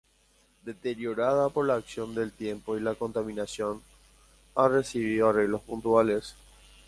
Deteriorada por la acción del tiempo y la contaminación, ha recibido arreglos puntuales.